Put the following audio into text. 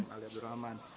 m ali abdurrahman